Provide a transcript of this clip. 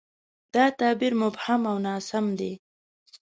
دا تعبیر مبهم او ناسم دی.